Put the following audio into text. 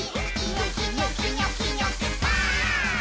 「ニョキニョキニョキニョキバーン！」